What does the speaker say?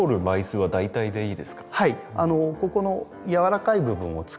はい。